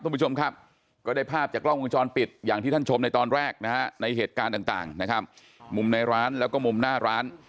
ทุกผู้ชมครับก็ได้ภาพจากร